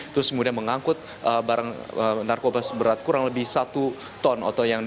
terus kemudian mengangkut barang narkoba seberat kurang lebih satu ton